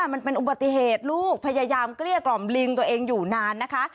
มันเป็นอุบัติเหตุลูกพยายามเกลี้ยกล่อมลิงตัวเองอยู่นานนะคะ